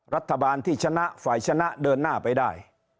รัฐบาลที่ชนะฝ่ายชนะเดินหน้าไปได้